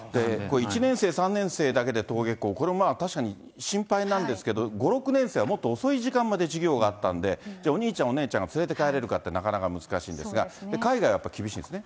１年生、３年生だけで登下校、これもまあ確かに心配なんですけど、５、６年生はもっと遅い時間まで授業があったんで、じゃあ、お兄ちゃんお姉ちゃんが連れて帰れるかって、なかなか難しいんですが、海外はやっぱり厳しいんですね。